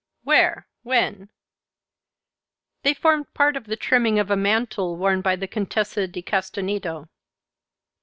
"Where? When?" "They formed part of the trimming of a mantle worn by the Contessa di Castagneto."